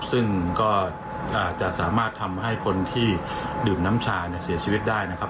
ซึ่งก็จะสามารถทำให้คนที่ดื่มน้ำชาเนี่ยเสียชีวิตได้นะครับ